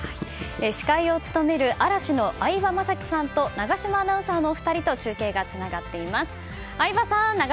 司会を務める嵐の相葉雅紀さんと永島アナウンサーのお二人と中継がつながっています。